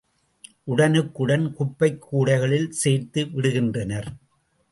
உடனுக்குடன் குப்பைக் கூடைகளில் சேர்த்து விடுகின்றனர்.